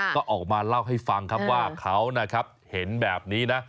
ก็ออกมาเล่าให้ฟังครับว่าเขานะครับเห็นแบบนี้นะ